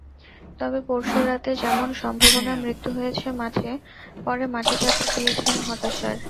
তবে পরশু রাতে যেমন সম্ভাবনার মৃত্যু হয়েছে মাঠে, পরে মাটি চাপা দিয়েছেন হতাশার।